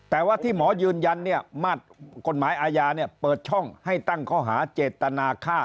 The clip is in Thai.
แต่ว่าที่หมอยืนยันมาตรกฎหมายอาญาเปิดช่องให้ตั้งข้อหาเจตนาฆ่า